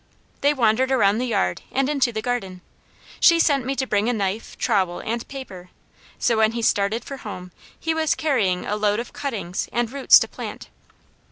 They wandered around the yard and into the garden. She sent me to bring a knife, trowel, and paper, so when he started for home, he was carrying a load of cuttings, and roots to plant.